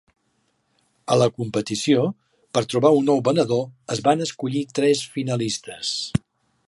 A la competició, per trobar un nou venedor, es van escollir tres finalistes.